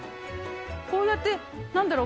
こうやってなんだろう？